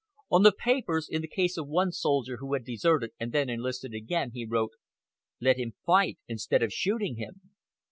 On the papers in the case of one soldier who had deserted and then enlisted again, he wrote: "Let him fight, instead of shooting him."